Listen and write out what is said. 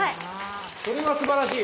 それはすばらしい。